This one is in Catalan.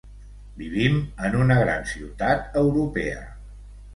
Vivim en una gran ciutat europea.